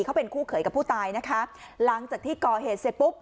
เขาเป็นคู่เขยกับผู้ตายนะคะหลังจากที่ก่อเหตุเสร็จปุ๊บ